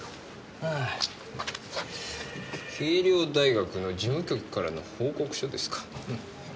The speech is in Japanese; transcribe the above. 恵稜大学の事務局からの報告書ですか。